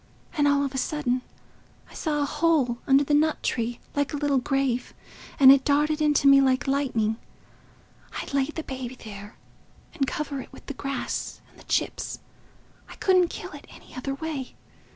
And all of a sudden I saw a hole under the nut tree, like a little grave. And it darted into me like lightning—I'd lay the baby there and cover it with the grass and the chips. I couldn't kill it any other way.